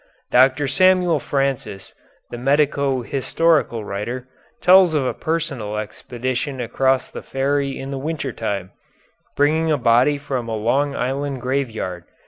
Dr. Samuel Francis, the medico historical writer, tells of a personal expedition across the ferry in the winter time, bringing a body from a Long Island graveyard.